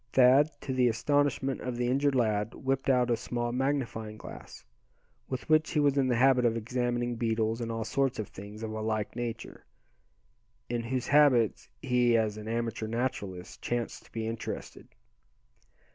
Thad, to the astonishment of the injured lad, whipped out a small magnifying glass, with which he was in the habit of examining beetles, and all sorts of things of a like nature, in whose habits he, as an amateur naturalist, chanced to be interested.